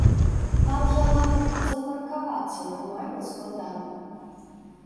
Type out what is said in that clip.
Там жа нават запаркавацца нармальна складана.